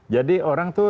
jadi orang itu